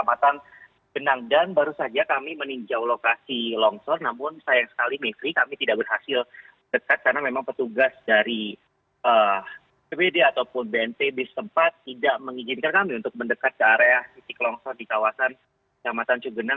kampatan cugenang dan baru saja kami meninjau lokasi longsor namun sayang sekali kami tidak berhasil dekat karena memang petugas dari cbd ataupun bnt di sempat tidak mengizinkan kami untuk mendekat ke area siklongsor di kawasan kampatan cugenang